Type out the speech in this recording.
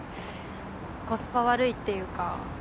コスパ悪いっていうか。